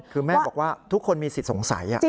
คือแม่บอกว่าทุกคนมีสิทธิ์สงสัย